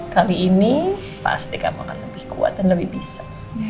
kali ini pasti kamu akan lebih kuat dan lebih bisa